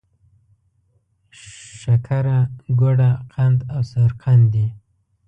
شکره، ګوړه، قند او سرقند دي.